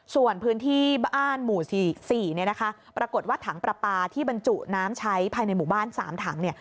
ส่วนพื้นที่บ้านหมู่๔ปรากฏว่าถังปราปาที่บรรจุน้ำใช้ภายในหมู่บ้าน๓ถัง